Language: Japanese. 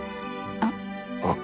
あっ。